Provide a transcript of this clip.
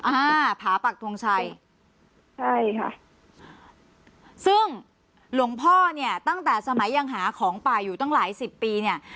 อ่าผาปักทงชัยใช่ค่ะซึ่งหลวงพ่อเนี่ยตั้งแต่สมัยยังหาของป่าอยู่ตั้งหลายสิบปีเนี่ย